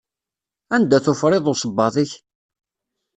Anda-t ufriḍ usebbaḍ-ik?